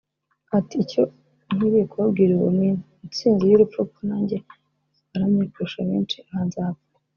Ati “Icyo nkwiriye kubabwira ubu ni intsinzi y’urupfu kuko nanjye waramye kurusha abenshi aha nzapfa